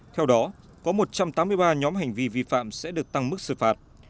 theo đó có một trăm tám mươi ba nhóm hành vi vi phạm sẽ được tăng mức xử phạt